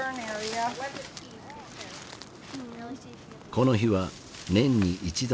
この日は年に一度の行事